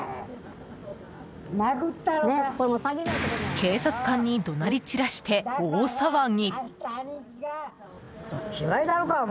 警察官に怒鳴り散らして大騒ぎ。